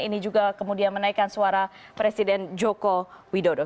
ini juga kemudian menaikkan suara presiden joko widodo